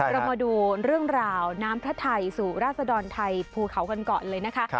เรามาดูเรื่องราวน้ำพระไทยสู่ราศดรไทยภูเขากันก่อนเลยนะคะ